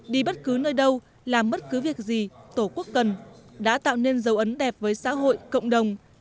đi bất cứ nơi đâu làm bất cứ việc gì tổ quốc cần đã tạo nên dấu ấn đẹp với xã hội cộng đồng